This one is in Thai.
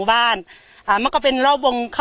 สวัสดีครับทุกคน